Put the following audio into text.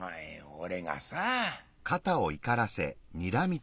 俺がさ」。